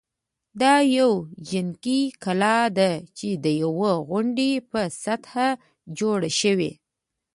دا یوه جنګي کلا ده چې د یوې غونډۍ په سطحه جوړه شوې.